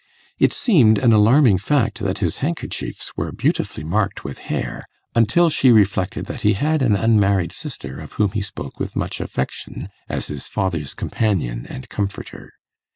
It seemed an alarming fact that his handkerchiefs were beautifully marked with hair, until she reflected that he had an unmarried sister of whom he spoke with much affection as his father's companion and comforter.